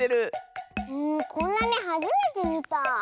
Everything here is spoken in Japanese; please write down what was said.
こんなめはじめてみた。